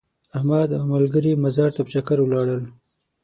احمد او ملګري مزار ته په چکر ولاړل.